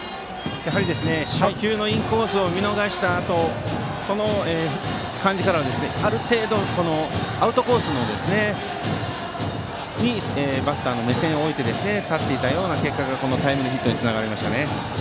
やはり初球のインコースを見逃したあとその感じからある程度アウトコースにバッターの目線を置いて立っていたような結果がこのタイムリーヒットにつながりましたね。